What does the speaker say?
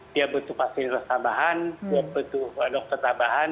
dia butuh fasilitas tambahan dia butuh dokter tambahan